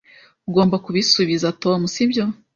Ugomba kubisubiza Tom, sibyo?